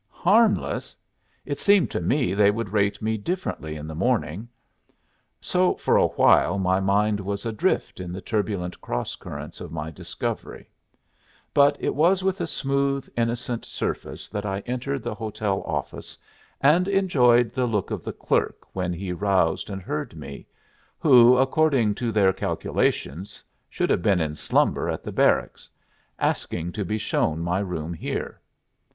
Harmless! It seemed to me they would rate me differently in the morning. So for a while my mind was adrift in the turbulent cross currents of my discovery; but it was with a smooth, innocent surface that I entered the hotel office and enjoyed the look of the clerk when he roused and heard me, who, according to their calculations, should have been in slumber at the Barracks, asking to be shown my room here.